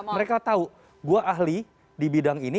mereka tahu gue ahli di bidang ini